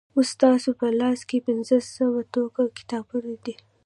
اوس ستاسو په لاسو کې پنځه سوه ټوکه کتابونه دي.